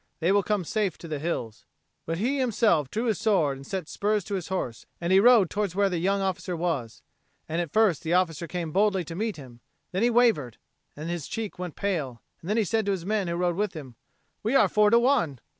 They will come safe to the hills." But he himself drew his sword and set spurs to his horse, and he rode towards where the young officer was. And at first the officer came boldly to meet him; then he wavered, and his cheek went pale; and he said to the men who rode with him, "We are four to one."